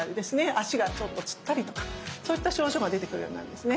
足がちょっとつったりとかそういった症状が出てくるようになるんですね。